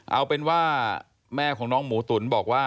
เอาเป็นว่าแม่ของน้องหมูตุ๋นบอกว่า